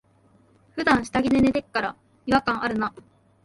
ふだん下着で寝てっから、違和感あるな。